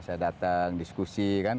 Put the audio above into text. saya datang diskusi kan